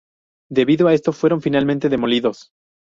Debido a esto fueron finalmente demolidos.